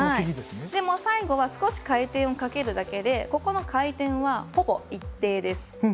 でも、最後は少し回転をかけるだけでこの回転はほぼ一定です。